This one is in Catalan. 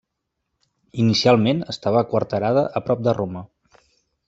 Inicialment estava aquarterada a prop de Roma.